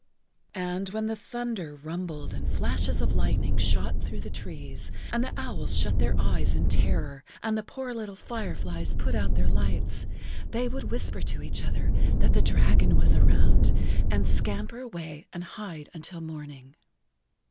And when the thunder rumbled and flashes of lightning shot through the leaves, and the owls shut their eyes in terror and the poor little fireflies put out their lights, they would whisper to each other that the dragon was around, and scamper away and hide until morning.